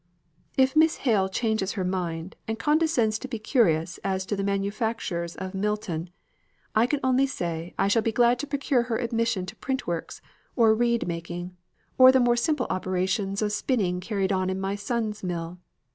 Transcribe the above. If Miss Hale changes her mind and condescends to be curious as to the manufactures of Milton, I can only say I shall be glad to procure her admission to print works, or reed making, or the more simple operations of spinning carried on in my son's mill.